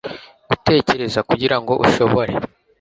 gutekereza kugira ngo ushobore